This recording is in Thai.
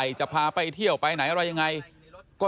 อย่าอย่าอย่าอย่าอย่าอย่าอย่าอย่าอย่าอย่า